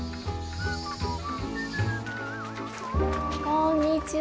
こんにちは。